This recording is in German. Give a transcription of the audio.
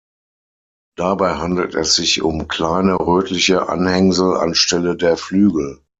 Dabei handelt es sich um kleine, rötliche Anhängsel an Stelle der Flügel.